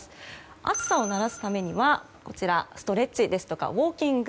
暑さを慣らすためにはストレッチですとかウォーキング。